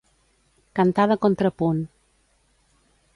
Cantar de contrapunt.